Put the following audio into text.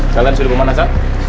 jalan sudah pemanasan